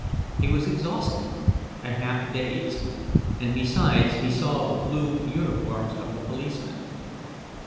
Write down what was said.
He was exhausted and half dazed, and besides he saw the blue uniforms of the policemen.